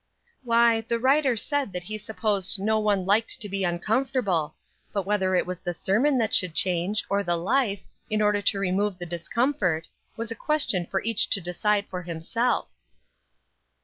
"Why, the writer said that he supposed no one liked to be uncomfortable; but whether it was the sermon that should change, or the life, in order to remove the discomfort, was a question for each to decide for himself."